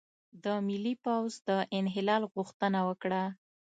د ملي پوځ د انحلال غوښتنه وکړه،